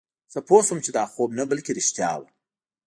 زه پوه شوم چې دا خوب نه بلکې رښتیا وه